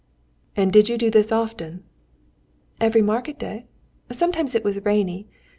"And did you do this often?" "Every market day. Sometimes it was rainy.